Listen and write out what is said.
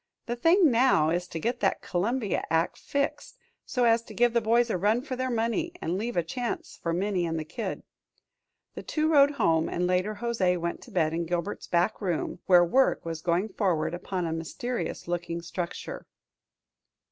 The thing now is to get that Columbia act fixed so as to give the boys a run for their money, and leave a chance for Minnie and Kid." The two rode home, and later José went to bed in Gilbert's back room, where work was going forward upon a mysterious looking structure.